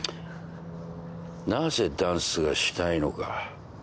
なぜダンスがしたいのか。